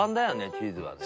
チーズはね。